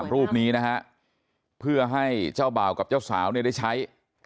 ๓รูปนี้นะคะเพื่อให้เจ้าเบากับเจ้าสาวได้ใช้